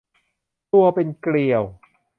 ตัวเป็นเกลียว